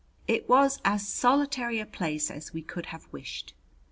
It was as solitary a place as we could have wished.